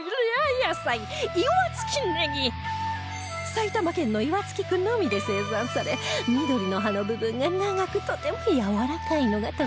埼玉県の岩槻区のみで生産され緑の葉の部分が長くとてもやわらかいのが特徴